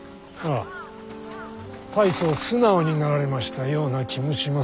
大層素直になられましたような気もしまするが。